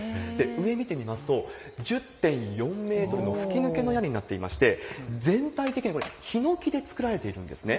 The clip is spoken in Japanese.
上見てみますと、１０．４メートルの吹き抜けの屋根になっていまして、全体的にこれ、ヒノキで作られているんですね。